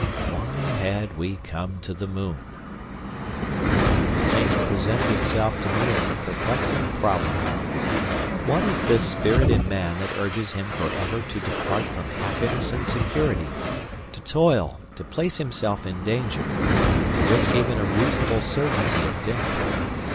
Why had we come to the moon? The thing presented itself to me as a perplexing problem. What is this spirit in man that urges him for ever to depart from happiness and security, to toil, to place himself in danger, to risk even a reasonable certainty of death?